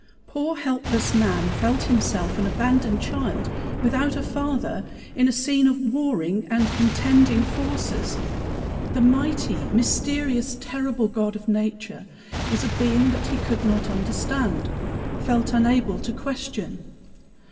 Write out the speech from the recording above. Poor helpless man felt himself an abandoned child, without a Father, in a scene of warring and contending forces. The mighty, mysterious, terrible God of nature was a being that he could not understand, felt unable to question.